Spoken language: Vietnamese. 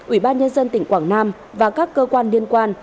ủy ban nhân dân tỉnh quảng nam và các cơ quan liên quan